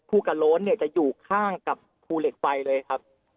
กะโล้นเนี่ยจะอยู่ข้างกับภูเหล็กไฟเลยครับ